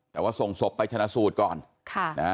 แต่ว่าส่งศพไปชนะสูตรก่อน